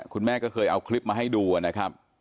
คุณแม่ก็เคยเอาคลิปมาให้ดูนะครับ